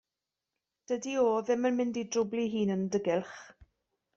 Dydi o ddim yn mynd i drwblu'i hun yn dy gylch.